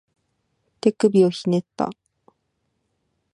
手首をひねった